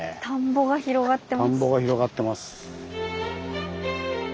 田んぼが広がってます。